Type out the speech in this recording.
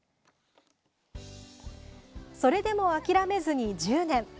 それでも諦めずに１０年。